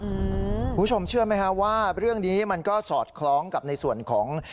คุณผู้ชมเชื่อไหมฮะว่าเรื่องนี้มันก็สอดคล้องกับในส่วนของ